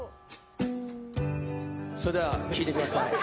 それでは聴いてください。